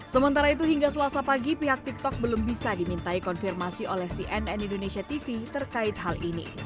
sementara itu hingga selasa pagi pihak tiktok belum bisa dimintai konfirmasi oleh cnn indonesia tv terkait hal ini